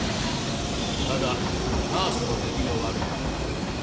ただナースの出来が悪いですね。